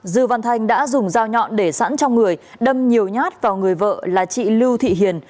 dư văn thanh đã dùng dao nhọn để sẵn trong người đâm nhiều nhát vào người vợ là chị lưu thị hiền